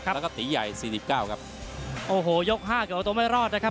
แล้วก็ตีใหญ่สี่สิบเก้าครับโอ้โหยกห้าก็เอาตัวไม่รอดนะครับ